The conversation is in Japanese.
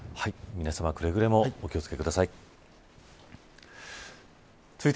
皆さま、くれぐれもお気を付けください。